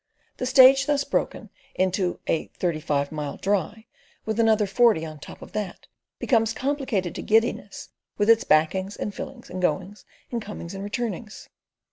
The stage thus broken into "a thirty five mile dry," with another of forty on top of that, becomes complicated to giddiness in its backings, and fillings, and goings, and comings, and returnings.